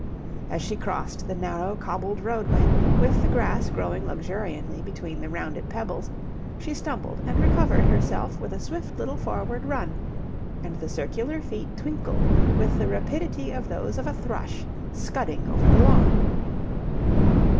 ... As she crossed the narrow cobbled roadway, with the grass growing luxuriantly between the rounded pebbles, she stumbled and recovered herself with a swift little forward run, and the circular feet twinkled with the rapidity of those of a thrush scudding over the lawn.